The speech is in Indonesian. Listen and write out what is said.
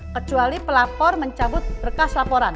kecuali pelapor mencabut berkas laporan